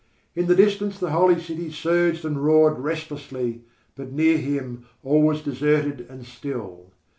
In the distance the Holy City surged and roared restlessly, but near him all was deserted and still.